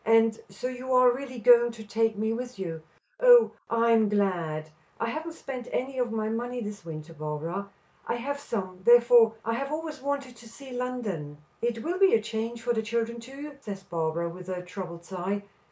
"And so you are really going to take me with you. Oh, I am glad. I haven't spent any of my money this winter, Barbara; I have some, therefore, and I have always wanted to see London." "It will be a change for the children, too," says Barbara, with a troubled sigh.